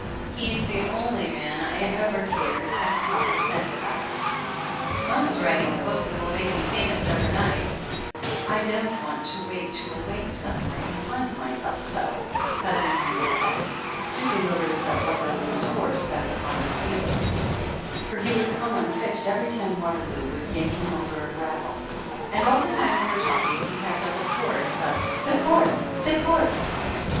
"He's the only man I ever cared a copper cent about !" "Mine's writing a book that will make me famous overnight, I don't want to wait to awake some morning and find myself so," Cousin Eunice said, stooping over to set Waterloo's horse up on his wheels, for he would come un fixed every time Waterloo would yank him over a gravel ; and all the time we were talking he kept up a chorus of "Fick horte ! Fick horte